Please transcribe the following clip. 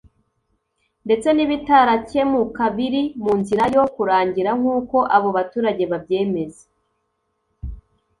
ndetse n’ibitarakemuka biri munzira yo kurangira nk’uko abo baturage babyemeza